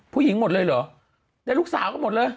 ผู้หญิงหมดเลยเหรอได้ลูกสาวก็หมดเลย